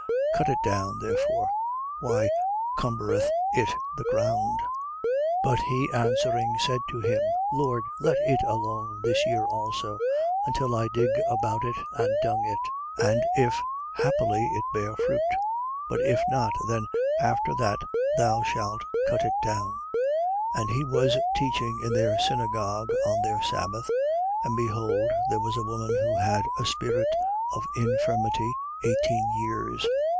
Cut it down therefore. Why cumbereth it the ground? 13:8. But he answering, said to him: Lord, let it alone this year also, until I dig about it and dung it. 13:9. And if happily it bear fruit: but if not, then after that thou shalt cut it down. 13:10. And he was teaching in their synagogue on their sabbath. 13:11. And behold there was a woman who had a spirit of infirmity eighteen years.